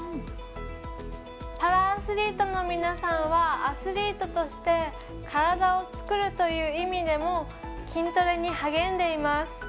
パラアスリートの皆さんはアスリートとして体を作るという意味でも筋トレに励んでいます。